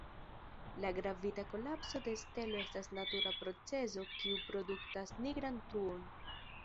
La gravita kolapso de stelo estas natura procezo kiu produktas nigran truon.